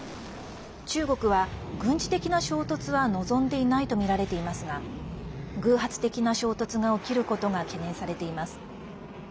中国は軍事的な衝突は望んでいないとみられていますが偶発的な衝突が起きることが懸念されています。